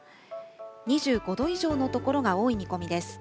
２５度以上の所が多い見込みです。